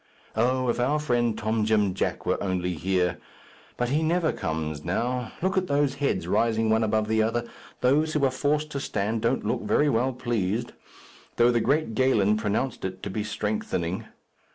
Oh, if our friend Tom Jim Jack were only here! but he never comes now. Look at those heads rising one above the other. Those who are forced to stand don't look very well pleased, though the great Galen pronounced it to be strengthening.